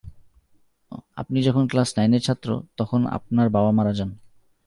আপনি যখন ক্লাস নাইনের ছাত্র তখন আপনার বাবা মারা যান।